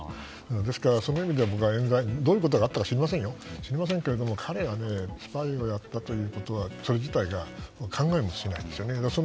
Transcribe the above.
ですからそういう意味ではどういうことがあったか知れないですけど彼がスパイをやったということそれ自体が考えもしないという。